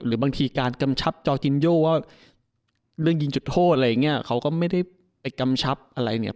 บางทีการกำชับจอจินโยว่าเรื่องยิงจุดโทษอะไรอย่างเงี้ยเขาก็ไม่ได้ไปกำชับอะไรเนี่ย